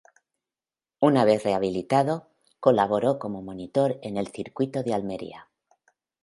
Una vez rehabilitado, colaboró como monitor en el circuito de Almería.